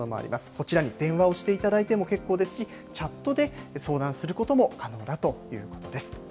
こちらに電話をしていただいても結構ですし、チャットで相談することも可能だということです。